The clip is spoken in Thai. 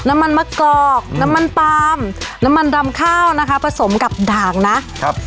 น้ำมันมะกอกน้ำมันปาล์มน้ำมันรำข้าวนะคะผสมกับด่างนะครับ